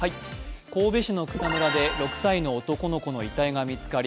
神戸市の草むらで６歳の男の子の遺体が見つかり